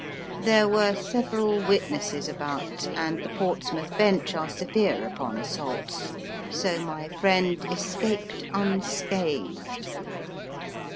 There were several witnesses about, and the Portsmouth bench are severe upon assaults, so my friend escaped unscathed.